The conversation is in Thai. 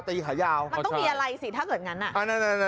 นักเรียงมัธยมจะกลับบ้าน